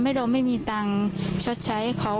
ความปลอดภัยของนายอภิรักษ์และครอบครัวด้วยซ้ำ